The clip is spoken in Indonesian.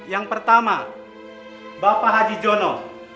yang pertama bapak haji jono